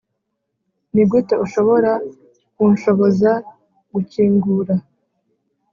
nigute ushobora kunshoboza gukingura.